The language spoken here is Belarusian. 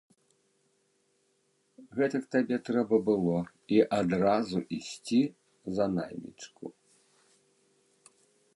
Гэтак табе трэба было і адразу ісці за наймічку!